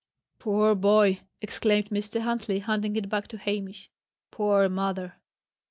"Poor boy!" exclaimed Mr. Huntley, handing it back to Hamish. "Poor mother!"